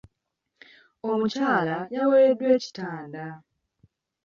Omukyala yawereddwa ekitanda.